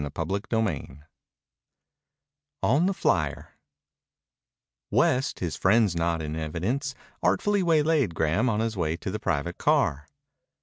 CHAPTER XXX ON THE FLYER West, his friends not in evidence, artfully waylaid Graham on his way to the private car.